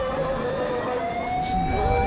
どうすんだよあれ。